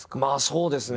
そうですね。